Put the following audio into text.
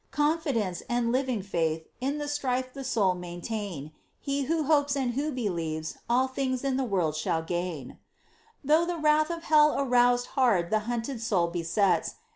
Confidence and living faith In the strife the soul maintain ; He who hopes and who believes All things in the end shall gain. Though the wrath of hell aroused Hard the hunted soul besets.